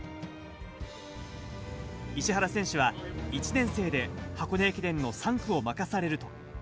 石原選手は１年生で箱根駅伝の３区を任されると。